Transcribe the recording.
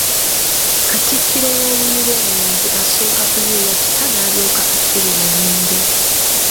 Katikkiro w’oluuyi lw’omulenzi, asooka kuyuuya kita n’alyoka attulula omwenge.